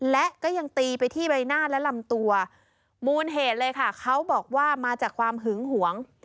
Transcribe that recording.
และก็ยังตีไปที่ใบหน้าและลำตัวมูลเหตุเลยค่ะเขาบอกว่ามาจากความหึงหวง